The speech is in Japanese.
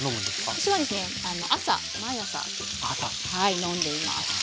私はですね朝毎朝飲んでいます。